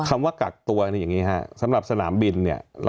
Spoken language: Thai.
คำว่ากักตัวนี่อย่างนี้ฮะสำหรับสนามบินเนี่ย